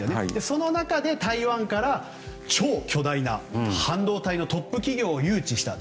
その中で台湾から超巨大な半導体のトップ企業を誘致したと。